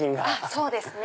そうですね。